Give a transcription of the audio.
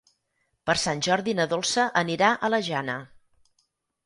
Per Sant Jordi na Dolça anirà a la Jana.